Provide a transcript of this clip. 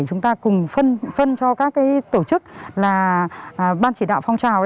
chúng ta cùng phân cho các tổ chức là ban chỉ đạo phong trào